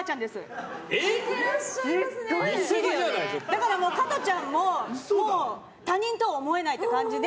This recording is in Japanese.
だから加トちゃんももう他人とは思えないって感じで。